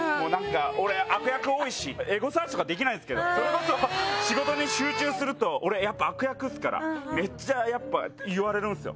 俺、悪役も多いしエゴサーチとかできないんですけど仕事に集中すると俺、やっぱ悪役ですからめっちゃ言われるんですよ。